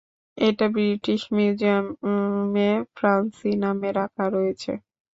এটা ব্রিটিশ মিউজিয়ামে ফ্যান্সি নামে রাখা রয়েছে।